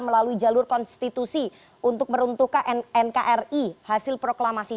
melalui jalur konstitusi untuk meruntuhkan nkri hasil proklamasi